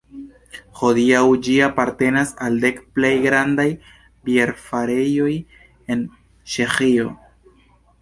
Hodiaŭ ĝi apartenas al dek plej grandaj bierfarejoj en Ĉeĥio.